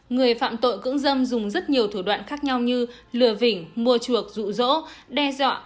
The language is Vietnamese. người phạm tội cưỡng dâm dùng rất nhiều thủ đoạn khác nhau như lừa phỉnh mua chuộc rụ rỗ đe dọa